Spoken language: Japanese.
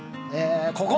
ここ。